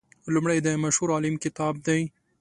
لومړی د مشهور عالم کتاب دی.